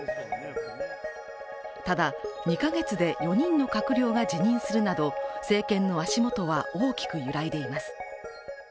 ただ２か月で４人の閣僚が辞任するなど政権の足元は大きく揺らいでいます。